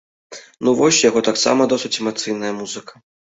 Ну, вось у яго таксама досыць эмацыйная музыка.